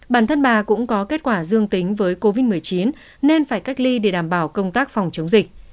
bản thân bà cũng có kết quả dương tính với covid một mươi chín nên phải cách ly để đảm bảo công tác phòng chống dịch